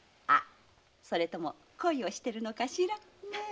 それとも恋をしてるのかしら？